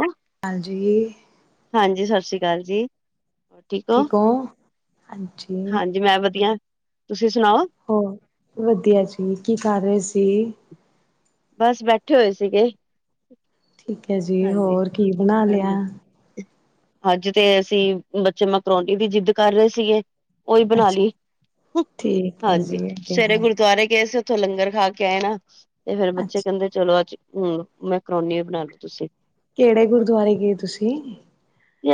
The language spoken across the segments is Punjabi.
ਓ ਹਾਂਜੀ ਹਾਂਜੀ ਸਤਿ ਸ਼੍ਰੀ ਅਕਾਲ ਜੀ ਠੀਕ ਹੋ ਹਾਂਜੀ ਮੈਂ ਵਧੀਆ ਤੁਸੀਂ ਸੁਣਾਓ ਹੋਰ ਵਧੀਆ ਜੀ ਕੀ ਕਰ ਰਹੇ ਸੀ ਬਸ ਬੈਠੇ ਹੋਏ ਸੀਗੇ ਠੀਕ ਹੈ ਜੀ ਹਾਂਜੀ ਹੋਰ ਕੀ ਬਣਾ ਲਿਆ ਹਾਂਜੀ ਅੱਜ ਤੇ ਅਸੀਂ ਬੱਚੇ ਮੈਕਰੋਨੀ ਦੀ ਜਿੱਦ ਕਰ ਰਹੇ ਸੀਗੇ ਉਹੀ ਬਣਾ ਅੱਛਾ ਲਈ ਠੀਕ ਹੈ ਜੀ ਹਾਂਜੀ ਸਵੇਰੇ ਵਧੀਆ ਗੁਰਦੁਆਰੇ ਗਏ ਸੀ ਉੱਥੇ ਲੰਗਰ ਖਾ ਕੇ ਆਏ ਨਾ ਤੇ ਫੇਰ ਬੱਚੇ ਅੱਛਾ ਕਹਿੰਦੇ ਚਲੋ ਅੱਜ ਹੁਣ ਮੈਕਰੋਨੀ ਬਣਾ ਲੋ ਤੁਸੀਂ ਕਿਹੜੇ ਗੁਰਦੁਆਰੇ ਗਏ ਤੁਸੀਂ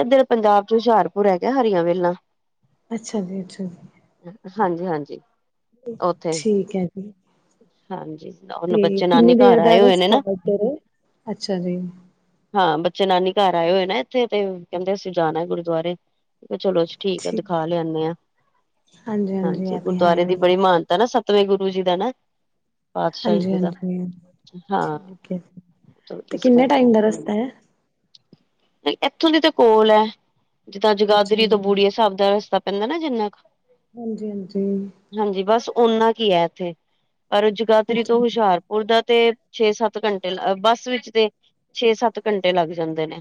ਇੱਧਰ ਪੰਜਾਬ ਚ ਹੁਸ਼ਿਆਰਪੁਰ ਹੈਗੇ ਹਰੀਆਂ ਵੇਲਾ ਅੱਛਾ ਜੀ ਅੱਛਾ ਜੀ ਹਾਂਜੀ ਹਾਂਜੀ ਉੱਥੇ ਠੀਕ ਹੈ ਜੀ ਹਾਂਜੀ ਹੁਣ ਤੇ ਬੱਚੇ ਕਿੰਨਨੀ ਨਾਨੀ ਦੇਰ ਘਰ ਦਾ ਆਏ ਹੋਏ ਨੇ ਰਸਤਾ ਨਾ ਇਧਰ ਅੱਛਾ ਜੀ ਹਾਂ ਬੱਚੇ ਨਾਨੀ ਘਰ ਆਏ ਹੋਏ ਨਾ ਇੱਥੇ ਤੇ ਕਹਿੰਦੇ ਅਸੀਂ ਜਾਣਾ ਗੁਰੂਦੁਆਰੇ ਚਲੋ ਠੀਕ ਆ ਦਿਖਾ ਲਿਆਦੇ ਹਾਂ ਹਾਂਜੀ ਇਹ ਤੇ ਹੈ ਗੁਰਦੁਆਰੇ ਦੀ ਹੀ ਬੜੀ ਮਾਨਤਾ ਨਾ ਸ ਵੇਂ ਗੁਰੂ ਜੀ ਦਾ ਨਾ ਪਾਤਸ਼ਹੀ ਹਾਂਜੀ ਜੀ ਦਾ ਹਾਂਜੀ ਹਾਂ ਠੀਕ ਹੈ ਤੇ ਇਸ ਕਿੰਨੇ ਟਾਈਮ ਕਰਕੇ ਦਾ ਹਾਂ ਰਸਤਾ ਹੈ ਇੱਥੋਂ ਦੀ ਤਾਂ ਕੋਲ ਹੈ ਜਿੱਦਾਂ ਅੱਛਾ ਜਗਾਦਰੀ ਜੀ ਤੋਂ ਬੂੜੀਏ ਹਿਸਾਬ ਦਾ ਰਸਤਾ ਪੈਂਦਾ ਨਾ ਜਿੰਨਾ ਕੁ ਹਾਂਜੀ ਹਾਂਜੀ ਹਾਂਜੀ ਬਸ ਓਨਾ ਕੀ ਹੈ ਇੱਥੇ ਪਰ ਜਗਾਦਰੀ ਤੋਂ ਅੱਛਾ ਹੁਸ਼ਿਆਰ ਉਦਾ ਤੇ ਛੇ ਸੱਤ ਘੰਟੇ ਬੱਸ ਵਿਚ ਤੇ ਛੇ ਸੱਤ ਘੰਟੇ ਲੱਗ ਜਾਂਦੇ ਨੇ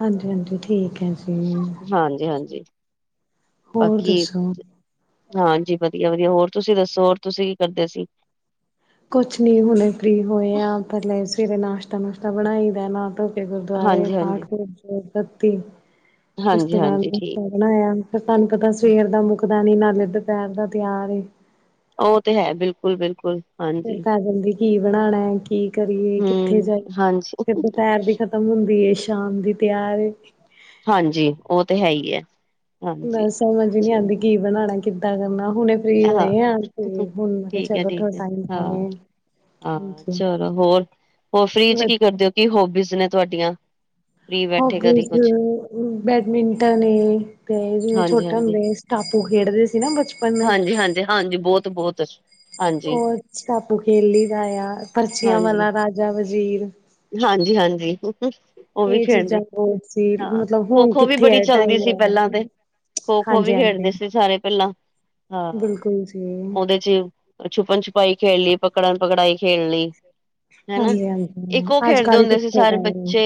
ਹਾਂਜੀ ਹਾਂਜੀ ਠੀਕ ਹੈ ਜੀ ਹਾਂਜੀ ਹਾਂਜੀ। ਹੋਰ ਬਾਕੀ ਦੱਸੋ ਹਾਂਜੀ ਵਧੀਆ ਵਧੀਆ ਹੋਰ ਤੁਸੀਂ ਦੱਸੋ ਹੋਰ ਤੁਸੀਂ ਕੀ ਕਰਦੇ ਅ ਸੀਂ ਕੁਛ ਨ ਹੁਣੇ ਫਰੀ ਹੋਏ ਆ ਪਹਿਲ ਸਵੇਰੇ ਨਾਸ਼ਤਾ ਨਸ਼ਤਾ ਬਣਾਈ ਦੇਣਾ ਕੇ ਗੁਰਦੁਆਰੇ ਹਾਂਜੀ ਹਾਂਜੀ ਪਾਠਬਤੀ ਉਸ ਹਾਂਜੀ ਤੋਂ ਬਾਅਦ ਹਾਂਜੀ ਠੀਕ ਬਣਾਇਆ ਫਿਰ ਤੁਹਾਨੂੰ ਪਤਾ ਸਵੇਰ ਦਾ ਮੁੱਕਦਾ ਨੀ ਨਾਲੇ ਦੁਪਹਿਰ ਦਾ ਤਿਆਰ ਉਹ ਤੇ ਹੈ ਬਿਲਕੁਲ ਬਿਲਕੁਲ ਫਰ ਹਾਂਜੀ ਪੈ ਜਾਂਲਦੀ ਕੀ ਬਣਾਉਣਾ ਕੀ ਕਰੀਏ ਕਿੱਥੇ ਹਮ ਜਾਈਏ ਹਾਂਜੀ ਫਰ ਦੁਪੈਰ ਦੀ ਖਤਮ ਹੁੰਦੀ ਸ਼ਾਮ ਦੀ ਤਿਆਰ ਹਾਂਜੀ ਉਹ ਤੇ ਹੈ ਹੀ ਹੈ ਬ ਹਾਂਜੀ ਸਮਝ ਹੀ ਨਹੀਂੀ ਚਲ ਆਉਂਦੀ ਕੀ ਬਣਾਣਾ ਕਿੱਦਾਂ ਕਰਨਾ ਹੁਣ ਫਰੀ ਹਾਂ ਹੋਏ ਆ ਠੀਕ ਤੇ ਹੁਣ ਹੈ ਚਲੋ ਠੀਕ ਥੋਾ ਹੈ ਟਮ ਹਾਂ ਲ ਗ ਹਾਂ ਚਲੋ ਹੋਰ ਹੋਰ ਫ੍ਰੀ ਚ ਕੀ ਵਧੀਆ ਕਰਦੇ ਹੋ ਕੀ ਹੋਬੀਜ਼ ਨੇ ਤੁਹਾਡੀਆਂ ਫ੍ਰਰੀ ਬੈਠੇ ਕਦੀ ਹੋਬੀਜ਼ ਕੁਛ ਬੈਡਮਿੰਟਨ ਤੇ ਜਿਵੇਂ ਹਾਂਜੀ ਛੋਟਾ ਹਾਂਜੀ ਹੁੰਦਾ ਟਾਪੂ ਖੇਡਦੇ ਸੀ ਨਾ ਬਚਪ ਹਾਂਜੀ ਹਾਂਜੀ ਹਾਂਜੀ ਬਹੁਤ ਬਹੁਤ ਹਾਂਜੀ ਉਹ ਟਾਪੂ ਖੇਲੀ ਦਾ ਆ ਪਰਚੀਆਂ ਹਾਂਜੀ ਵਾਲਾ ਰਾਜਾ ਵਜ਼ੀਰ ਹਾਂਜੀ ਹਾਂਜੀ ਉਹ ਵੀ ਇਹ ਚੀਜ਼ਾਂ ਖੇਡਦੇ ਬਹੁਤ ਸੀ ਹਾਂ ਮਤਲਬ ਖੋ ਹੁਣ ਖੋ ਵੀ ਕਿੱਥੇ ਬੜੀ ਹੈ ਚਲਦੀ ਟਾਈਮ ਸੀ ਰਹਿੰਦਾ। ਪਹਿਲਾਂ ਤੇ ਖੋ ਖੋ ਹਾਂਜੀ ਵੀ ਹਾਂਜੀ ਖੇਡਦੇ ਸੀ ਸਾਰੇ ਪਹਿਲਾਂ ਹਾਂ ਬਿਲਕੁਲ ਜੀ ਉਹਦੇ ਚ ਛੁੱਪਣ ਛੁਪਾਈ ਖੇਡ ਲਈ ਪਕੜਨ ਪਕੜਾਈ ਖੇਡ ਲਈ ਹਨਾ ਹਾਂਜੀ ਹਾਂਜੀ ਇੱਕ ਉਹ ਅੱਜ ਖੇਡਦੇ ਕੱਲ ਹੁੰਦੇ ਸੀ ਕਿੱਥੇ ਸਾਰੇ ਟਾਈਮ ਬੱਚੇ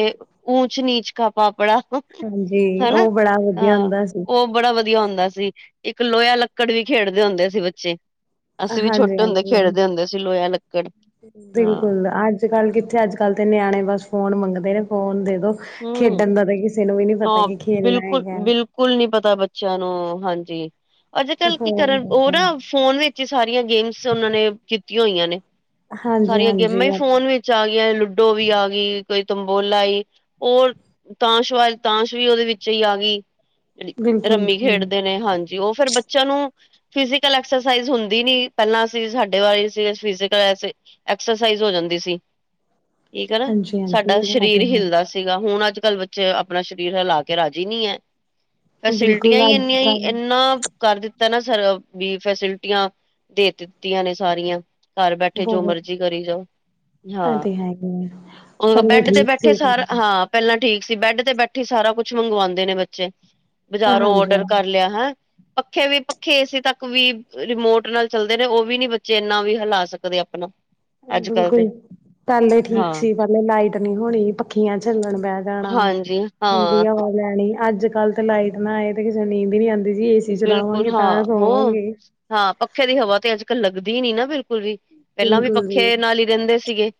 ਉਊਚ ਨੀਚ ਕ ਪਾਪੜਾ ਹਾਂਜੀ ਹਨਾ ਉਹ ਬੜਾ ਵਧੀਆ ਹਾਂ ਹੁੰਦਾ ਸੀ ਉਹ ਬੜਾ ਵਧੀਆ ਹੁੰਦਾ ਸੀ ਇੱਕ ਲੋਇਆ ਲੱਕੜ ਵੀ ਖੇਡਦੇ ਹੁੰਦੇ ਸੀ ਬੱਚੇ ਅਸੀਂ ਵੀ ਹਾਂਜੀ ਛੋਟੇ ਹੁੰਦੇ ਹਾਂਜੀ ਖੇਡਦੇ ਹੁੰਦੇ ਸੀ ਲੋਇਆ ਲੱਕੜ ਹਾਂ। ਬਿਲਕੁਲ ਅੱਜ ਕੱਲ ਕਿੱਥੇ ਅੱਜ ਕੱਲ ਤੇ ਨਿਆਣੇ ਬਸ ਫੋਨ ਮੰਗਦੇ ਨੇ ਫੋਨ ਦੇ ਦੋ ਹੂੰ ਖੇਡਣ ਦਾ ਕਿਸੇ ਨੂੰ ਵੀ ਨੀ ਪਤਾ ਕੀ ਖੇਲਣਾ ਹੈਗਾ ਸਕੂਲ ਨੀ ਪਤਾ ਬੱਚਿਆਂ ਨੂੰ ਹਾਂਜੀ ਅੱਜ ਕੱਲ ਕੀ ਫੋਨ ਕਰਨ ਉਹ ਨਾ ਫੋਨ ਵਿੱਚ ਹੀ ਸਾਰੀਆਂ ਗੇਮਸ ਉਹਨਾਂ ਨੇ ਕੀਤੀਆਂ ਹੋਈਆਂ ਨੇ ਹਾਂਜੀ ਸਾਰੀਆਂ ਹਾਂਜੀ ਗੇਮਾਂ ਵੀ ਫੋਨ ਵਿੱ ਚ ਆ ਗਈ ਲੁਡੋ ਵੀ ਆ ਗਈ ਕੋਈ ਤੰਬੋਲਾ ਈ ਹੋਰ ਤਾਸ਼ ਤਾਸ਼ ਵੀ ਉਹਦੇ ਵਿੱਚ ਹੀ ਆ ਗਈ ਜਿ ਬਿਲਕੁਲ ਰਮੀ ਜੀ, ਖੇਡਦੇ ਨੇ ਹਾਂਜੀ ਉਹ ਫੇਰ ਬੱਚਿਆਂ ਨੂੰ ਫਿਜੀਕਲ ਐਕਸਰਸਾਈਜ਼ ਹੁੰਦੀ ਨੀ ਪਹਿਲਾਂ ਅਸੀਂ ਸਾਡੇ ਵਾਰੀ ਫਿ ਐਕਸਰਸਾਈਜ਼ ਹੋ ਜਾਂਦੀ ਸੀ। ਹ ਠੀਕ ਹੈ ਨਾ ਸਾਡਾ ਸਰੀਰ ਹਿੱਿਲਦਾ ਸੀਗਾ ਹੁਣ ਅੱਜ ਕੱਲ੍ਹ ਬੱਚੇ ਆਪਣਾ ਸਰੀਰ ਹਿਲਾ ਕੇ ਰਾਜੀੀ ਨਹੀਂੀ ਹੈ ਫੈਸਿਲਿਟੀਆਂ ਬਿਲਕੁਲ ਹੀ ਅੱਜ ਇੰਨੀਆਂ ਹੀ ਕੱਲ ਇੰਨਾ ਕਰ ਦਿੱਤਾ ਨਾ ਸਰ ਵੀ ਫੈਸਿਲਿਟੀਆਂ ਦੇ ਦਿੱਤੀਆਂ ਨੇ ਸਾਰੀਆਂ ਘਰ ਬੈਠੇ ਜੋ ਮਰਜ਼ੀ ਬਹੁਤ ਕਰੀ ਜਾਓ ਇਹ ਤੇ ਹੈਗੇ ਆ ਹਾਂ ਪਹਿਲੇ ਬੈਡ ਤੇ ਠੀਕ ਬੈਠੇ ਸੀ ਸਾਰ ਹਾਂਜੀ ਹਾਂ ਪਹਿਲਾਂ ਠੀਕ ਸੀ ਬੈੱਡ ਤੇ ਬੈਠੀ ਸਾਰਾ ਕੁੱਛ ਮੰਗਵਾਉਂਦੇ ਨੇ ਬੱਚੇ ਬਜ਼ਾਰੋਂ ਔਡਰ ਹਾਂਜੀ ਕਰ ਲਿਆ ਹੈ ਪੱਖੇ ਵੀ ਪੱਖੇ ਇਸਏੇ ਤੱਕ ਵੀ ਰਿਮੋਟ ਨਾਲ ਚੱਲਦੇ ਨੇ ਉਹ ਵੀ ਨੀ ਬੱਚੇ ਇੰਨਾ ਵੀ ਹਿਲਾ ਸਕਦੇ ਆਪਣਾ ਅੱਜ ਕੱਲ ਬਿਲਕੁਲ ਤੇ ਪਹਿਲੇ ਹਾਂ ਠੀਕ ਸੀ ਪਹਿਲੇ ਲਾਈਟ ਨਹੀਂ ਹੋਣੀ ਪੱਖੀਆਂ ਝੱਲਣ ਬਹਿ ਜਾਣਾ। ਹਾਂਜੀ ਠੰਡੀ ਹਾਂ ਹਵਾ ਲੈਣੀ ਅੱਜ ਕੱਲ ਤੇ ਲਾਈਟ ਨਾ ਆਏ ਤੇ ਕਿਸੇ ਨੀਂਦ ਵੀ ਨੀ ਆ ਜੀ ਏਸੀ ਬਿਲਕੁਲ ਚਲਾਵਾਂਗੇ ਹਾਂ ਤਾਂ ਹੋ ਸੋਵਾਂਗੇ। ਹਾਂ ਪੱਖੇ ਦੀ ਹਵਾ ਤੇ ਅੱਜ ਕੱਲ ਲੱਗਦੀ ਨੀ ਨਾ ਬਿਲਕੁਲ ਵੀ ਪਹਿਲਾਂ ਵੀ ਬਿਲਕੁਲ ਜੀ ਪੱਖੇ ਨਾਲ ਹੀ ਰਹਿੰਦ ਸੀਗੇ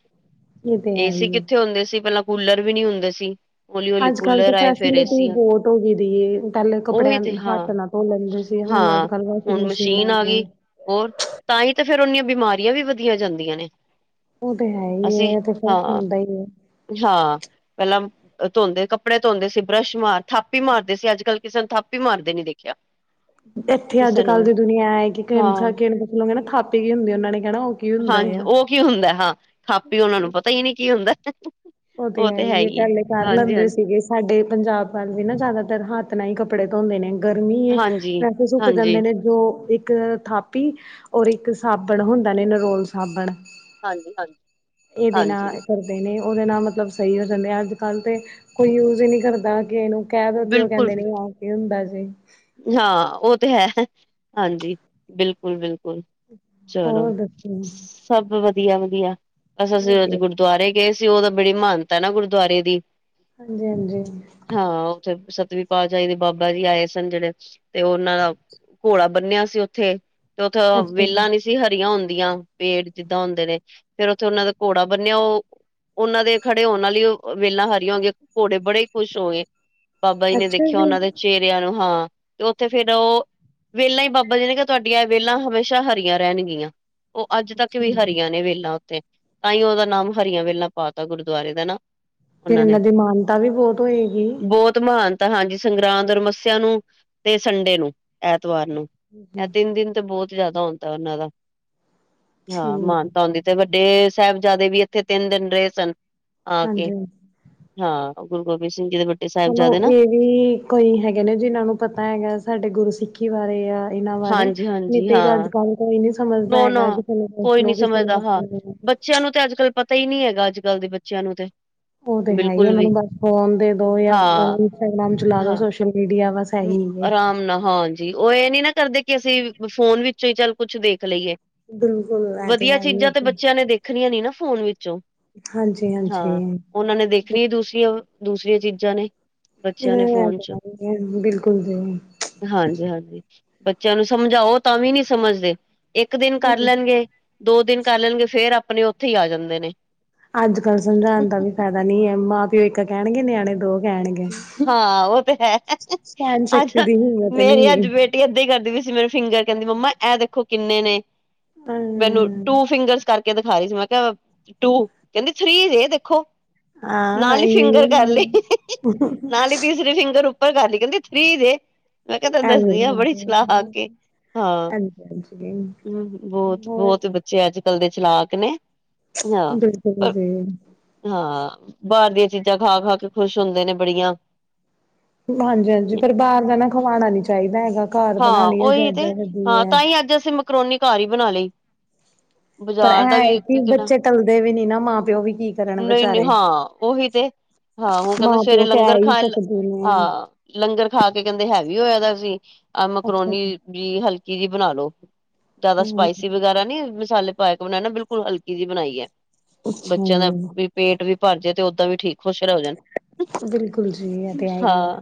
ਇਹ ਤੇ ਹੈ ਏਸੀ ਹੀ ਹੈ ਕਿੱਥੇ ਹੁੰਦੇ ਸੀ ਪਹਿਲਾਂ ਕੂਲਰ ਵੀ ਨੀ ਹੁੰਦੇ ਸੀ। ਹੌਲੀ-ਹੌਲੀ ਅੱਜ ਕੱਲ ਤਾਂ ਕੂਲਰ ਆਏ ਫੇਰ ਫੈਸਿਲਿਟੀ ਏਸੀ ਆ ਬਹੁਤ ਹੋ ਗਈ ਦੀ ਏ, ਪਹਿਲੇ ਉਹੀ ਕੱਪੜਿਆਂ ਤੇ ਹਾਂ। ਹੱਥ ਨਾਲ ਧੋ ਲੈਂਦੇ ਸੀ ਹੁਣ ਅੱਜ ਹਾਂ ਕੱਲ੍ਹ ਵਾਸ਼ਿੰਗ ਹੁਣ ਮਸ਼ੀਨ ਮਸ਼ੀਨਾਂ ਆ ਗੀ। ਨੇ ਹੋਰ ਤਾਂ ਹੀ ਤਾਂ ਫੇਰ ਉਹਨੀਆਂ ਬਿਮਾਰੀਆਂ ਵੀ ਵਧੀਆ ਜਾਂਦੀਆਂ ਨੇ। ਉਹ ਤੇ ਹੈ ਹੀ ਅਸੀਂ ਹੈ ਤੇ ਫਿਰ ਹਾਂ ਹੁੰਦਾ ਹੀ ਹੈ। ਹਾਂ ਪਹਿਲਾਂ ਧੋਂਦੇ ਸੀ ਕੱਪੜੇ ਧੋਂਦੇ ਸੀ ਬਰੱਸ਼ ਮਾਰ ਥਾਪੀ ਮਾਰਦੇ ਸੀ ਅੱਜ ਕੱਲ ਕਿਸੇ ਨੂੰ ਥਾਪੀ ਮਾਰਦੇ ਨੀ ਦੇਖ ਖਿਆ। ਇੱਥੇ ਅੱਜ ਕੱਲ ਦੀ ਦੁਨੀਆ ਐ ਕਿਣ ਹਾਂ ਕਿਣਲ ਕਹ ਥਾਪੀ ਗ ਹੁੰਦੀ ਉਹਨਾਂ ਨੇ ਕਹਿਣਾ ਉਹ ਕੀ ਹੁੰਦਾ ਹਾਂਜ ਆ ਉਹ ਕੀ ਹੁੰਦਾ ਹਾਂ ਖਾਪੀ ਉਹਨਾਂ ਨੂੰ ਪਤਾ ਹੀ ਨੀ ਕੀ ਹੁੰਦਾ। ਉਹ ਤੇ ਹੈ ਹੀ ਇਹ ਪਹਿਲੇ ਕਰ ਲੈਂਦੇ ਸੀਗੇ। ਸਾਡੇ ਪੰਜਾਬ ਵੱਲ ਵੀ ਨਾ ਜ਼ਿਆਦਾਤਰ ਹੱਥ ਨਾਲ ਹੀ ਕੱਪੜੇ ਧੋਂਦੇ ਨੇ। ਗਰਮੀ ਏ ਹਾਂਜੀ ਵੈਸੇ ਸੁੱਕ ਹਾਂਜੀ ਜਾਂਦੇ ਨੇ ਜੋ ਇੱਕ ਥਾਪ ਇਕ ਥਾਪੀ ਔਰ ਇੱਕ ਸਾਬਣ ਹੁੰਦਾ ਨੇ ਨਰੋਲ ਸਾਬਣ। ਹਾਂਜੀ ਹਾਂਜੀ ਇਹਦੇ ਹਾਂਜੀ ਨਾਲ ਕਰਦੇ ਨੇ। ਉਹਦੇ ਨਾਲ ਮਤਲਬ ਸਹੀ ਹੋ ਜਾਂਦੇ ਅੱਜ ਕੱਲ ਤਾਂ ਕੋਈ ਯੂਜ਼ ਹੀ ਨਹੀਂ ਕਰਦਾ ਕਿ ਇਹਨੂੰ ਕਹਿ ਦੋ ਤੇ ਉਹ ਬਿਲਕੁਲ ਕਹਿੰਦੇ ਨੇ ਆਹ ਕੀ ਹੁੰਦਾ ਜੀ। ਹਾਂ ਉਹ ਤੇ ਹੈ ਹਾਂਜੀ ਬਿਲਕੁਲ-ਬਿਲਕੁਲ। ਚਲੋ ਹੋਰ ਦੱਸੋ ਸਭ ਵਧੀਆ-ਵਧੀਆ [unintelligible] ਵਧੀਆ ਗੁਰਦੁਆਰੇ ਗਏ ਸੀ ਉਹ ਤਾਂ ਬੜੀ ਮਹਾਨਤਾ ਨਾ ਗੁਰਦੁਆਰੇ ਦੀ। ਹਾਂਜੀ-ਹਾਂਜੀ ਹਾਂ ਉੱਥੇ ਸਤਵੀ ਪਾਤਸ਼ਹੀ ਦੇ ਬਾਬਾ ਜੀ ਆਏ ਸ ਸਨ ਜਿਹੜੇ ਤੇ ਉਹਨਾਂ ਦਾ ਘੋੜਾ ਬੰਨਿਆ ਸੀ ਉੱਥੇ ਤੇ ਉੱਥੇ ਅੱਛਾ ਵੇਲਾ ਨੀ ਹਰੀਆਂ ਹੁੰਦੀਆਂ ਪੇੜ ਜਿੱਦਾਂ ਹੁੰਦੇ ਨੇ ਫੇਰ ਉੱਥੇ ਉਹਨਾਂ ਦਾ ਘੋੜਾ ਬੰਨਿਆ ਉਹ ਉਹਨਾਂ ਦੇ ਖੜੇ ਹੋਣ ਨਾਲ ਈ ਵੇਲਾਂ ਹਰੀਆਂ ਹੋ ਗਈਆਂ ਘੋੜੇ ਬੜੇ ਹੀ ਖੁਸ਼ ਹੋ ਗਏ। ਬਾਬਾ ਜੀ ਨੇ ਅੱਛਾ ਦੇਖਿਆ ਜੀ ਉਹਨਾਂ ਦੇ ਚਿਹਰਿਆਂ ਨੂੰ ਹਾਂ ਤੇ ਉੱਥੇ ਫੇਰ ਉਹ ਵੇਲਾ ਹੀ ਬਾਬਾ ਜੀ ਨੇ ਕਿਹਾ ਤੁਹਾਡੀਆਂ ਵੇਲਾਂ ਹਮੇਸ਼ਾ ਹਰੀਆਂ ਰਹਿਣਗੀਆਂ। ਉਹ ਅੱਜ ਤੱਕ ਅੱਛਾ ਵੀ ਜੀ, ਹਰੀਆਂ ਨੇ ਵੇਲਾ ਉੱਥੇ। ਤਾਂ ਹੀ ਉਹਦਾ ਨਾਮ ਹਰੀਆਂ ਵੇਲਾ ਪਾ ਤਾ ਗੁਰਦੁਆਰੇ ਦਾ ਨਾ। ਫਿਰ ਉਹਨਾਂ ਨੇ ਇਹਨਾਂ ਦੀ ਮਾਨਤਾ ਵੀ ਬਹੁਤ ਹੋਏਗੀ। ਬਹੁਤ ਮਹਾਨ ਤਾਂ ਹਾਂਜੀ, ਸੰਗਰਾਂਦ, ਮੱਸਿਆ ਨੂੰ ਤੇ ਸੰਡੇ ਨੂੰ ਐਤਵਾਰ ਨੂੰ। ਇਹ ਤਿੰਨ ਦਿਨ ਤਾਂ ਬਹੁਤ ਜ਼ਿਆਦਾ ਹੁੰਂਦਾ ਉਹਨਾਂ ਦਾ। ਹਾਂ, ਠੀਕ ਮਾਨਤਾ ਆਉਂਦੀ ਤੇ ਵੱਡੇ ਸਾਹਿਬਜ਼ਾਦੇ ਵੀ ਇੱਥੇ ਤਿੰਨ ਦਿਨ ਰਹੇ ਸਨ ਆਕੇ। ਹਾਂਜੀ ਹਾਂ, ਗੁਰੂ ਗੋਬਿੰਦ ਸਿੰਘ ਜੀ ਦੇ ਚਲੋ ਸਾਹਿਬਜ਼ਾਦੇ ਨਾ ਇਹ ਵੀ ਕੋਈ ਹੈਗੇ ਨੇ ਜਿਨਾਂ ਨੂੰ ਪਤਾ ਹੈਗਾ ਸਾਡੇ ਗੁਰੂ ਸਿੱਖੀ ਬਾਰੇ ਆ। ਇਹਨਾਂ ਬਾਰੇ ਹਾਂਜੀ ਹਾਂਜੀ ਨਤਿਕ ਅੱਜ ਹਾਂ ਕੱਲ ਕੋਈ ਨੀ ਸਮਝਦਾ ਨੋ ਨਾ ਹੈਗਾ ਕਿਸੇ ਨੂੰ ਪੁੱਛ ਕੋਈ ਨੀ ਲਓ ਕਿਸੇ ਨੂੰ ਸਮਝਦਾ ਹਾਂ ਪਤਾ [unintelligible] ਬੱਚਿਆਂ ਨੂੰ ਤੇ ਅੱਜ ਕੱਲ ਪਤਾ ਹੀ ਨੀ ਹੈਗਾ ਅੱਜ ਕੱਲ ਦੇ ਬੱਚਿਆਂ ਨੂੰ ਤੇ। ਉਹ ਤੇ ਹੈ ਹੀ ਬਿਲਕੁਲ ਉਹਨਾਂ ਵੀ ਨੂੰ ਬਸ ਫੋਨ ਦੇ ਦੋ ਜਾਂ ਉਹ ਹਾਂ ਇੰਸਟਾਗ੍ਰਾਮ ਚਲਾ ਦੋ ਹਾਂ ਸੋਸ਼ਲ ਮੀਡੀਆ ਬਸ ਇਹੀ ਏ ਆਰਾਮ ਨਾਲ ਹਾਂਜ ਜੀ ਉਹ ਇਹ ਨੀ ਨਾ ਕਰਦੇ ਕਿ ਅਸੀਂ ਫੋਨ ਵਿੱਚੋਂ ਹੀ ਚੱਲ ਕੁਛ ਦੇਖ ਲਈਏ। ਬਿਲਕੁਲ ਇਹ ਤੇ ਵਧੀਆ ਹੈ ਹੀ ਚੀਜ਼ਾਂ ਤੇ ਬੱਚਿਆਂ ਨੇ ਦੇਖਣੀਆਂ ਨੀ ਨਾ ਫੋਨ ਵਿੱਚੋਂ। ਹਾਂ ਹਾਂਜੀ-ਹਾਂਜੀ। ਉਹਨਾਂ ਨੇ ਦੇਖਣੀ ਦੂਸਰੀਆਂ-ਦੂਸਰੀਆਂ ਚੀਜ਼ਾਂ ਨੇ। [unintelligible] ਬੱਚਿਆਂ ਨੇ ਫੋਨ ਪਤਾ ਨਹੀਂ, ਬਿਲਕੁਲ ਜੀ। ਹਾਂਜੀ-ਹਾਂਜੀ, ਬੱਚਿਆਂ ਨੂੰ ਸਮਝਾਓ ਤਾਂ ਵੀ ਨੀ ਸਮਝਦੇ ਇੱਕ ਦਿਨ ਕਰ ਲੈਣਗੇ। ਦੋ ਦਿਨ ਕਰ ਲੈਣਗੇ ਫੇਰ ਆਪਣੇ ਉੱਥੇ ਹੀ ਆ ਜਾਂਦੇ ਨੇ। ਅੱਜ-ਕੱਲ ਸਮਝਾਉਣ ਦਾ ਵੀ ਫਾਇਦਾ ਨੀ ਹੈ। ਮਾਂ-ਪਿਓ ਇੱਕ ਕਹਿਣਗੇ ਨਿਆਣੇ ਦੋ। ਕਹਿਣਗੇ ਹਾਂ, ਉਹ ਤੇ ਹੈ ਸਹਿਣ ਅੱਜ ਸ਼ਕਤੀ ਦੀ ਹਿੰਮਤ ਨੀ ਮੇਰੀ ਏ। ਅੱਜ ਬੇਟ ਏਦਾਂ ਹੀ ਕਰਦੀ ਪਈ ਸੀ ਮੈਨੂੰ, ਫਿੰਗਰ ਕਹਿੰਦੀ ਮੰਮਾ ਇਹ ਦੇਖੋ ਕਿੰਨੇ ਨੇ? ਮੈਨੂੰ ਹਮ ਟੂ ਫਿੰਗਰਸ ਕਰਕੇ ਦਿਖਾ ਰਹੀ ਸੀ ਮੈਂ ਕਿਹਾ ਟੂ ਕਹਿੰਦੀ ਥਰੀ ਜੇ ਦੇਖੋ ਹਾਂ ਨਾਲ ਹੀ ਇਵੇਂ ਫਿੰਗਰ ਕਰ ਲਈ। ਹੁੰਦਾ ਨਾਲ ਹੀ ਤੀਸਰੇ ਫਿੰਗਰ ਉੱਪਰ ਕਰ ਲਈ ਕਹਿੰਦੀ ਥਰੀ ਜੇ। ਮੈਂ ਕਿਹਾ ਤੈਨੂੰ ਐਵੇਂ ਦੱਸਦੀ ਹੀ ਆ ਬੜੀ ਚਲਾਕ ਹੁੰਦਾ ਏ। ਹਾਂ, ਹਾਂਜੀ ਹਾਂਜੀ ਹੂੰ ਹੋਰ ਬਹੁਤ-ਬਹੁਤ ਬਚ ਬੱਚੇ ਅੱਜ-ਕੱਲ ਦੇ ਚਲਾਕ ਨੇ ਹਾਂ ਬਿਲਕੁਲ ਪਰ ਬਿਲਕੁਲ ਹਾਂ, ਬਾਹਰ ਦੀਆਂ ਚੀਜ਼ਾਂ ਖਾ-ਖਾ ਕੇ ਖੁਸ਼ ਹੁੰਦੇ ਨੇ ਬੜੀਆਂ। ਹਾਂਜੀ-ਹਾਂਜੀ, ਪਰ ਬਾਹਰ ਦਾ ਨਾ ਖਵਾਉਣਾ ਨੀ ਚਾਹੀਦਾ ਹੈਗਾ ਘਰ ਬਣਾਨ ਹਾਂ ਲਈ ਉਹੀ ਤੇ ਜਿਆਦਾ ਕਦੀ ਹਾਂ ਐ। ਤਾਂ ਹੀ ਅੱਜ ਅਸੀਂ ਮਕਰੋਨੀ ਘਰ ਹੀ ਬਣਾ ਲਈ। ਪਰ ਬਜ਼ਾਰ ਇਹ ਦਾ ਹੈ ਵੀ ਕਿ ਕਿਣਾ, ਬੱਚੇ ਟਲਦੇ ਵੀ ਨੀ ਨਾ ਮਾਂ ਪਿਓ ਵੀ ਕੀ ਕਰਨ ਨਹੀਂ-ਨਹੀਂ ਵਿਚਾਰੇ ਹਾਂ, ਉਹੀ ਤੇ ਹਾਂ, ਹੁਣ ਕਹਿੰਦੇ ਮਾਂ ਸਵੇਰੇ ਪਿਓ ਲੰਗਰ ਕਹਿ ਹੀ ਖਾਣ ਸਕਦੇ ਨੇ ਹਾਂ, ਲੰਗਰ ਖਾ ਕੇ ਕਹਿੰਦੇ ਹੈਵੀ ਹੋਇਆ ਦਾਸੀਂ, ਇਹ ਅੱਛਾ ਮਕਰੋਨੀ ਜੀ। ਵੀ ਹਲਕੀ ਜਿਹੀ ਬਣਾ ਲੋ, ਜਿਆਦਾ ਹਮ ਸਪਾਈਸੀ ਵਗੈਰਾ ਨੀ ਮਸਾਲੇ ਪਾਕੇ ਬਣਾਣਾ ਬਿਲਕੁਲ ਹਲਕੀ ਜੀ ਬਣਾਈ ਹੈ, ਅੱਛਾ ਬੱਚਿਆਂ ਦਾ ਜੀ ਵੀ ਪੇਟ ਵੀ ਭਰ ਜਏ ਤੇ ਓਦਾਂ ਵੀ ਠੀਕ ਖੁਸ਼ ਰ ਹੋ ਜਾਣ ਬਿਲਕੁਲ ਜੀ ਇਹ ਤੇ ਹੈ ਹੀ ਹੈ ਹਾਂ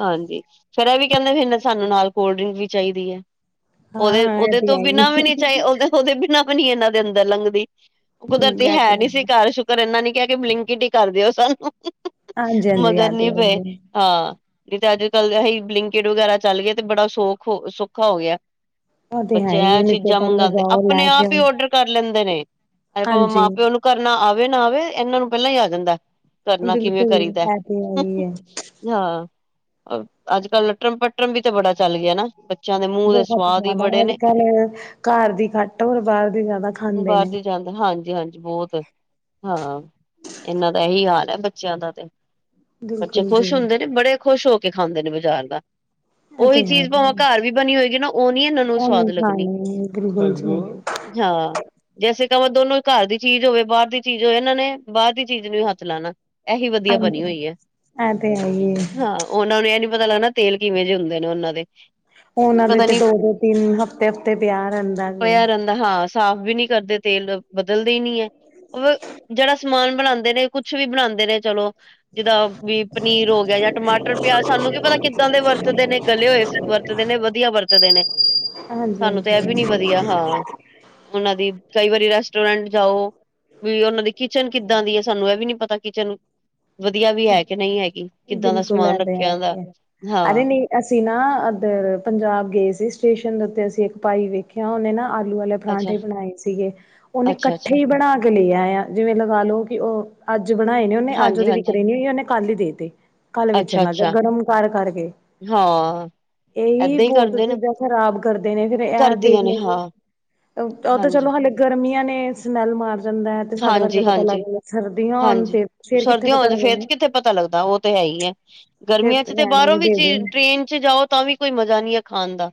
ਹਾਂਜੀ, ਫੇਰ ਇਹ ਵੀ ਕਹਿੰਦੇ ਸਾਨੂੰ ਨਾਲ ਕੋਲਡ ਡਰਿੰਕ ਵੀ ਚਾਹੀਦੀ ਹੈ। ਹਾਂ ਇਹ ਉਹਦੇ-ਉਹਦੇ ਤੇ ਤੋਂ ਹੈ ਹੀ ਬਿਨਾਂ ਵੀ ਨੀ ਹੈ। ਚਾਹੀ ਉਹਦੇ-ਉਹਦੇ ਬਿਨਾਂ ਨ ਇਹਨਾਂ ਦੇ ਅੰਦਰ ਲੰਘਗਦੀ ਹਮ, ਕੁਦਰਤੀ ਇਹ ਹੈ ਤੇ ਨੀ ਸੀ ਘਰ ਸੁਕਰ ਪਰ ਇਹਨਾ ਨੀ ਕਿਹਾ ਕੇ ਬਰਿੰਕਟ ਹੀ ਕਰ ਦਿਓ ਸਾਨੂੰ ਹਾਂਜੀ ਹਾਂਜੀ ਮਗਰ ਇਹ ਤੇ ਨੀ ਹੈ ਹੀ ਪਏ। ਹੈ ਹਾਂ, ਨਹੀਂ ਤੇ ਅੱਜ-ਕੱਲ ਅ ਬਰਿੰਕਟ ਵਗੈਰਾ ਚੱਲ ਗਏ ਤੇ ਬੜਾ ਸੌਖ ਹੋ ਸੌਖਾ ਹੋ ਗਿਆ। ਉਹ ਤੇ ਹੈ ਬੱਚੇ ਹੀ ਹੈ ਇਹ ਨਹੀਂ ਤੇ ਚੀਜ਼ਾਂ ਪਹਿਲੇ ਮੰਗਉਂਦੇ ਜਾਓ ਲੈ ਕੇ ਆਪਣੇ-ਆਪ ਹੀ ਆਓ ਔਡਰ ਕਰ ਲੈਂਦੇ ਨੇ, ਅੱਜ-ਕੱਲ ਉਹ ਹਾਂਜੀ ਮਾਂ-ਪਿਓ ਨੂੰ ਕਰਨਾ ਆਵੇ ਨਾ ਆਵੇ ਇਹਨਾਂ ਨੂੰ ਪਹਿਲਾਂ ਹੀ ਆ ਜਾਂਦਾ ਕਰਨਾ ਕਿਵੇਂ ਬਿਲਕੁਲ ਕਰੀਦਾ। ਇਹ ਤੇ ਹੈ ਹੀ ਹੈ ਹਾਂ, ਅੱਜ-ਕੱਲ ਲਟਰਮ-ਪਟਰਮ ਵੀ ਤੇ ਬੜਾ ਚੱਲ ਗਿਆ ਨਾ। ਬੱਚਿਆਂ ਦੇ ਮੂੰਹ ਦੇ ਬਹੁਤ ਸਵਾਦ ਹੀ ਜ਼ਿਆਦਾ ਬੜੇ ਨੇ ਅੱਜ-ਕੱਲ ਘਰ ਦੀ ਘੱਟ ਔਰ ਬਾਹਰ ਦੀ ਜ਼ਿਆਦਾ ਖਾਂਦੇ ਨੇ। ਹਾਂਜੀ-ਹਾਂਜੀ, ਬਹੁਤ ਹਾਂ ਇਹਨਾਂ ਦਾ ਇਹੀ ਹਾਲ ਹੈ, ਬੱਚਿਆਂ ਦਾ ਤੇ ਬੱਚੇ ਬਿਲਕੁਲ ਜੀ ਖੁਸ਼ ਹੁੰਦੇ ਇਹ ਨੇ, ਬੜੇ ਖੁਸ਼ ਹੋ ਕੇ ਖਾਂਦੇ ਨੇ ਬਾਜ਼ਾਰ ਦਾ। [inaudible] ਉਹੀ ਚੀਜ਼ ਭਾਵਾਂ ਹੀ ਹੈ, ਘਰ ਵੀ ਬਣੀ ਹੋਏਗੀ ਨਾ ਉਹ ਨੀ ਇਹਨਾਂ ਨੂੰ ਉਹ ਸਵਾਦ ਨਹੀਂ ਲੱਗਣੀ। ਖਾਣੀ ਬਿਲਕੁਲ ਜੀ ਯਾਂ ਜੈਸੇ ਕਵੋ ਦੋਨੋਂ ਘਰ ਦੀ ਚੀਜ਼ ਹੋਵੇ ਬਾਹਰ ਦੀ ਚੀਜ਼ ਹੋਵੇ ਇਹਨਾਂ ਨੇ ਬਾਹਰ ਦੀ ਚੀਜ਼ ਨੂੰ ਹੱਥ ਲੈਣਾ। ਏਹੀ ਵਧੀਆ ਬਣੀ ਹਾਂਜੀ ਹੋਈ ਏ, ਇਹ ਤੇ ਹੈ ਹੀ ਹੈ, ਹਾਂ। ਉਹਨਾਂ ਨੂੰ ਇਹ ਨਹੀਂ ਪਤਾ ਲੱਗਣਾ ਤੇਲ ਕਿਵੇਂ ਜੇ ਹੁੰਦੇ ਨੇ ਉਹਨਾਂ ਦੇ। ਉਹਨਾਂ ਦੇ ਪਤਾ ਤੇ ਨੀ ਦੋ-ਦੋ ਤਿੰਨ ਹਫ਼ਤੇ-ਹਫ਼ਤੇ ਤਿਆਰ ਰਹਿੰਦਾ ਜੇ। ਪਿਆ ਰਹਿੰਦਾ ਹਾਂ, ਸਾਫ਼ ਵੀ ਨਹੀਂ ਕਰਦੇ ਤੇਲ ਬਦਲਦੇ ਹੀ ਨਹੀਂ ਹੈ, ਉਹ ਜਿਹੜਾ ਸਮਾਨ ਬਣਾਉਂਦੇ ਨੇ ਕੁੱਛ ਵੀ ਬਣਾਉਂਦੇ ਨੇ ਚਲੋ। ਜਿੱਦਾਂ ਵੀ ਪਨੀਰ ਹੋ ਗਿਆ ਜਾਂ ਟਮਾਟਰ, ਪਿਆਜ ਸਾਨੂੰ ਕੀ ਪਤਾ ਕਿੱਦਾਂ ਦੇ ਵਰਤਦੇ ਨੇ ਗਲੇ ਹੋਏ ਵਰ ਵਰਤਦੇ ਨੇ ਵਧੀਆ ਵਰਤਦੇ ਨੇ ਹਾਂਜੀ ਸਾਨੂੰ ਤਾਂ ਇਹ ਵੀ ਹਾਂਜੀ ਨੀ ਵਧੀਆ ਹਾਂ। ਉਹਨਾਂ ਦੀ ਕਈ ਵਾਰੀ ਰੈਸਟੋਰੈਂਟ ਜਾਓ ਵੀ ਉਹਨਾਂ ਦੀ ਕਿਚਨ ਕਿੱਦਾਂ ਦੀ ਏ ਸਾਨੂੰ ਇਹ ਵੀ ਨੀ ਪਤਾ ਕਿਚਨ ਵਧੀਆ ਵੀ ਹੈ ਕਿ ਨਹੀਂ ਹੈਗੀ ਕਿੱਦਾਂ ਦਾ ਬਿਲਕੁਲ ਐ ਸਮਾਨ ਤੇ ਹੈ ਰੱਖਿਆ ਦਾ ਈ ਐ। ਅਰੇ ਹਾਂ? ਨਈ ਅਸੀਂ ਨਾ ਇਧਰ ਪੰਜਾਬ ਗਏ ਸੀ, ਸਟੇਸ਼ਨ ਦੇ ਉੱਤੇ ਅਸੀਂ ਇੱਕ ਭਾਈ ਵੇਖਿਆ ਉਹਨੇ ਨਾ ਆਲੂ ਵਾਲੇ ਅੱਛਾ ਪਰਾਂਠੇ ਬਣਾਏ ਸੀਗੇ ਉਹਨੇ ਅੱਛਾ ਅੱਛਾ ਇਕੱਠੇ ਹੀ ਬਣਾ ਕੇ ਲਿਆ ਆ ਜਿਵੇਂ ਲਗਾ ਲੋ ਕਿ ਉਹ ਅੱਜ ਬਣਾਏ ਨੇ ਉਹਨੇ ਅੱਜ ਹਾਂਜੀ ਉਹਦੇ ਵਿ ਹਾਂਜੀ ਨਹੀਂ, ਇੰਨੇ ਕੱਲ ਹੀ ਦੇਤੀ, ਕੱਲ ਵੇਚਣ ਅੱਛਾ ਲੱਗ ਗਯਾ, ਅੱਛਾ ਗਰਮ ਕਰ-ਕਰਕੇ। ਹਾਂ ਏਵੀ ਏਦਾਂ ਹੀ ਬਹੁਤ ਕਰਦੇ ਨੇ ਚੀਜ਼ਾਂ ਖ਼ਰਾਬ ਕਰਦੇ ਨੇ ਫਿਰ ਇਹ ਦੇਖ ਕਰਦੀਆਂ ਨੇ ਲੋ ਹਾਂ ਜੀ। ਉ ਤੇ ਹਾਂਜੀ ਚਲੋ ਹ ਗਰਮੀਆਂ ਨੇ ਸਮੈਲ ਮਾਰ ਜਾਂਦਾ ਹੈ, ਤੇ ਸਾਡੇ ਵਰਗੇ ਹਾਂਜੀ ਪਤਾ ਲੱਗ ਹਾਂਜੀ ਜਾਂਦਾ ਸਰਦੀਆਂ ਹੋਣ ਹਾਂਜੀ ਤੇ ਫੇਰ ਕ ਸਰਦੀਆਂ ਫੇਰ ਕਿੱਥੇ ਪਤਾ ਲੱਗਦਾ ਉਹ ਤੇ ਹੈ ਹੀ ਏ, ਫੇਰ ਗਰਮੀਆਂ ਚ ਤੇ ਬਾਹਰੋਂ ਕਹਿਣਗੇ ਵੀ ਦੇ ਚੀਜ਼ ਦੋ। ਡ ਟ੍ਰੇਨ ਚ ਜਾਓ ਤਾਂ ਵੀ ਕੋਈ ਮਜ਼ਾ ਨਹੀਂ ਏ ਖਾਣ ਦਾ,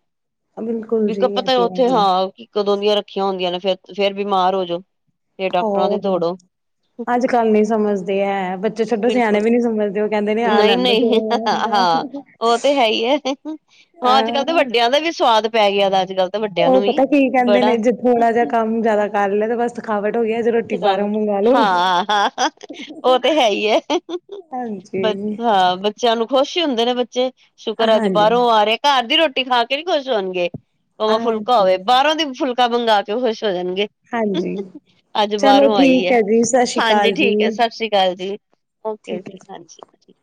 ਬਿਲਕੁਲ ਜੀ ਇੱਕ ਇਹ ਪਤਾ ਤੇ ਹੈ ਉੱਥੇ ਹੀ ਹੈ। ਹਾਂ ਕਿ ਕਦੋਂ ਦੀਆਂ ਰੱਖੀਆਂ ਹੁੰਦੀਆਂ ਨੇ ਫਿਰ ਫੇਰ ਬਿਮਾਰ ਹੋ ਜੋ। ਫੇਰ ਡਾਕਟਰਾਂ ਦੇ ਹੋਰ ਦੌੜੋ। ਅੱਜ ਕੱਲ ਨਹੀਂ ਸਮਝਦੇ ਹੈ, ਬੱਚੇ ਛੱਡੋ ਸਿਆਣੇ ਬਿਲਕੁਲ ਵੀ ਨਹੀਂ ਸਮਝਦੇ ਉਹ ਕਹਿੰਦੇ ਨੇ ਆ ਨਹੀਂ ਲੈਂਦੇ ਨਹੀਂ ਹਾਂ ਉਹ ਤੇ ਹੈ ਹੀ ਏ ਅੱਜ ਕੱਲ ਤਾਂ ਅਹ ਵੱਡਿਆਂ ਦਾ ਵੀ ਸਵਾਦ ਪੈ ਗਿਆ ਅੱਜ ਕੱਲ੍ਹ ਤਾਂ ਵੱਡਿਆਂ ਨੂੰ ਉਹ ਵੀ ਪਤਾ ਕੀ ਕਹਿੰਦੇ ਨੇ ਬੜਾ ਜੇ ਥੋੜਾ ਜਿਹਾ ਕੰਮ ਜਿਆਦਾ ਕਰ ਲਿਆ ਤਾਂ ਬਸ ਥਕਾਵਟ ਹੋ ਗਈ ਅੱਜ ਰੋਟੀ ਬਾਹਰੋਂ ਥਕਾਵਟ ਮੰਗਵਾ ਲੋ। ਹਾਂ ਹਾਂ ਉਹ ਤੇ ਹੈ ਹੀ ਹੈ ਹਾਂਜੀ। ਚਲ ਖੁਸ਼ ਹੀ ਹੁੰਦੇ ਨੇ ਬੱਚੇ ਸ਼ੁਕਰ ਹੈ, ਅੱਜ ਹਾਂਜੀ ਬਾਹਰੋਂ ਆ ਰਿਹਾ। ਘਰ ਦੀ ਰੋਟੀ ਖਾ ਕੇ ਨਹੀਂ ਖੁਸ਼ ਹੋਣਗੇ ਭਾਵੇਂ ਫੁਲਕਾ ਹਾਂਜੀ ਹੋਵੇ ਬਾਹਰੋਂ ਦੀ ਫੁਲ ਤਾਂਨੂੰ ਮੰੰਗਾ ਕੇ ਖੁਸ਼ ਹੋ ਜਾਣਗੇ। ਹਾਂਜੀ। ਅੱਜ ਚਲੋ ਬਾਹਰੋਂ ਆਈ ਠੀਕ ਹੈ, ਜੀ ਸਤਿ ਸ਼੍ਰੀ ਹਾਂਜੀ ਅਕਾਲ ਠੀਕ ਹੈ ਜੀ ਸਤਿ ਸ੍ਰੀ ਅਕਾਲ ਜੀ, ਓਕੇ ਠੀਕ ਹੈ ਜੀ ਹਾਂਜੀ-ਹਾਂਜੀ।